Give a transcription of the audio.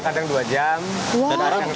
alhamdulillah kadang dua jam